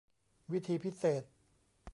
วิธีพิเศษ